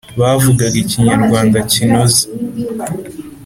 bavugaga ikinyarwanda kinoze